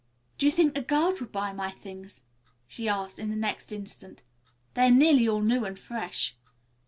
"Do you think the girls would buy my things?" she asked in the next instant. "They are nearly all new and fresh."